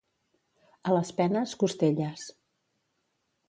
A les penes, costelles.